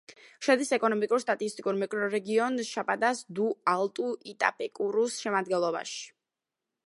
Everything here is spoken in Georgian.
შედის ეკონომიკურ-სტატისტიკურ მიკრორეგიონ შაპადას-დუ-ალტუ-იტაპეკურუს შემადგენლობაში.